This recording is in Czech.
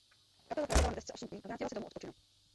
Kapela pracovala na desce osm dní a vrátila se domů odpočinout.